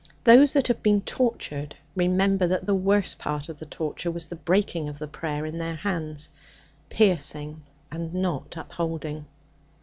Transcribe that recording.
Those that have been tortured remember that the worst part of the torture was the breaking of the prayer in their hands, piercing, and not upholding.